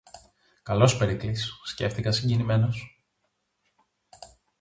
Καλός Περικλής, σκέφθηκα συγκινημένος.